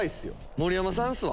盛山さんっすわ。